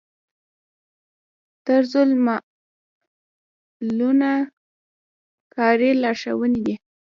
طرزالعملونه کاري لارښوونې دي